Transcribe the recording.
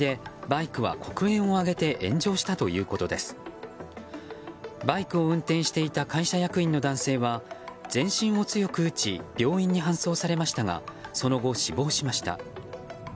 バイクを運転していた会社役員の男性は全身を強く打ち病院に搬送されましたがその後、死亡しました。